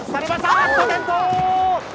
あっと転倒！